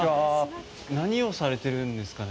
何をされてるんですかね。